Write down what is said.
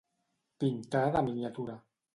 Pintar de miniatura.